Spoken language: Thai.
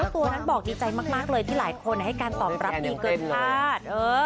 ตัวนั้นบอกดีใจมากเลยที่หลายคนให้การตอบรับดีเกินคาด